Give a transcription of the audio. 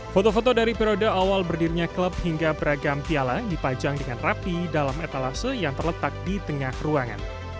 foto foto dari periode awal berdirinya klub hingga beragam piala dipajang dengan rapi dalam etalase yang terletak di tengah ruangan